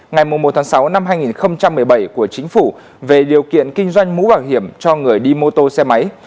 ngày một sáu hai nghìn một mươi bảy của chính phủ về điều kiện kinh doanh mũ bảo hiểm cho người đi mô tô xe máy